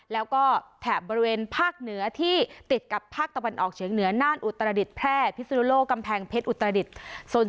แล้วก็แถบบริเวณภาคเหนือที่ติดกับภาคตะวันออกเฉียงเหนือน่านอุตรดิษฐแพร่พิสุนุโลกกำแพงเพชรอุตรดิษฐ์